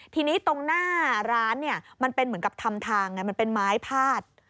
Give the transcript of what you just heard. ทีนี้ตรงหน้าร้านเนี่ยมันเป็นเหมือนกับทำทางไงมันเป็นไม้พาด